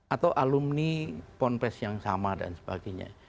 atau alumni ponpes yang sama dan sebagainya